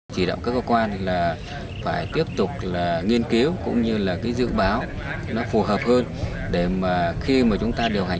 chỉ đạo các cơ quan là phải tiếp tục nghiên cứu cũng như dự báo phù hợp hơn để khi chúng ta điều hành